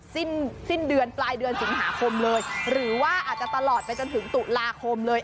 สิ้นสิ้นเดือนปลายเดือนสิงหาคมเลยหรือว่าอาจจะตลอดไปจนถึงตุลาคมเลย